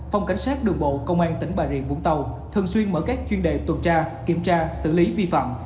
phòng cảnh sát đường bộ công an tỉnh bà rịa vũng tàu thường xuyên mở các chuyên đề tuần tra kiểm tra xử lý vi phạm